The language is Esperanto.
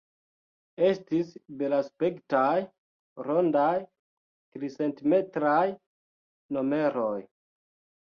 Estis belaspektaj rondaj, tricentimetraj moneroj.